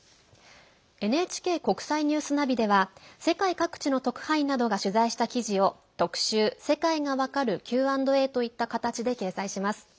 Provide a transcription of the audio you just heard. ＮＨＫ国際ニュースナビでは世界各地の特派員などが取材した記事を特集、世界がわかるＱ＆Ａといった形で掲載します。